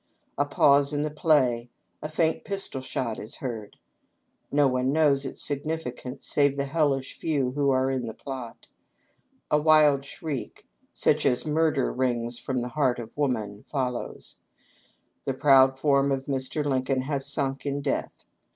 A pause in the play — a faint pistol shot is heard. No one knows its significance save the hellish few who are in the plot. A wild shriek, such as murder wrings from the heart of woman, follows : the proud form of Mr. Lincoln has sunk in death.